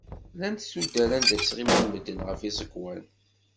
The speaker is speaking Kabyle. Llant tuddar anda ttɣiman medden ɣef yiẓekwan.